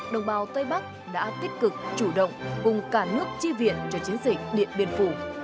đồng bào tây bắc đã tích cực chủ động cùng cả nước chi viện cho chiến dịch điện biên phủ